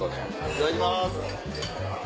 いただきます！